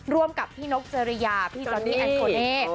ร่วมกับพี่นกเจริยาพี่จอนนี่แอนโทเน่